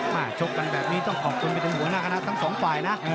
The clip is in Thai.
มาชุกกันแบบนี้ต้องขอบคุณไปตรงแห่งหัวหน้าทางสองฝ่ายนะ